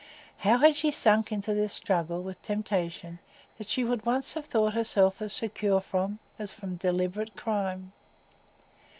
How had she sunk into this struggle with a temptation that she would once have thought herself as secure from as from deliberate crime?